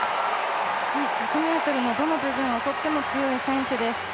１００ｍのどの部分をとっても強い選手です。